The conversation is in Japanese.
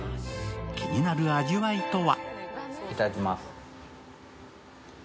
気になる味わいとは？